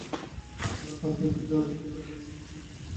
উহারা পাঁচ মিনিটে আর্যদের চাটনির মত খাইয়া ফেলিত।